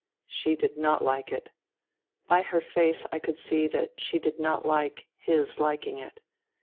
She did not like it. By her face I could see that she did not hke his liking it.